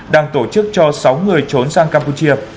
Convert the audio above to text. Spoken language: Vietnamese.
đang tổ chức cho sáu người trốn sang campuchia